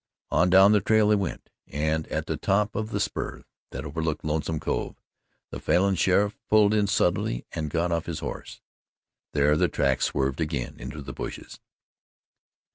On down the trail they went, and at the top of the spur that overlooked Lonesome Cove, the Falin sheriff pulled in suddenly and got off his horse. There the tracks swerved again into the bushes.